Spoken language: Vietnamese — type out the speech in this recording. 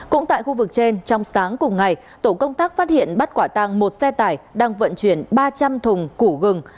cũng tại khu vực trên trong sáng cùng ngày tổ công tác phát hiện bắt quả tăng một xe tải đang vận chuyển ba trăm linh thùng củ gừng